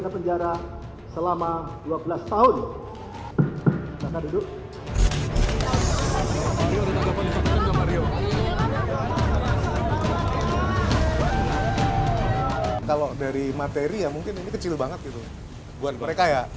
penjara selama dua belas tahun kalau dari materi ya mungkin kecil banget gitu buat mereka ya